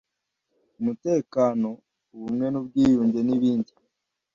umutekano, ubumwe n’ubwiyunge n’ibindi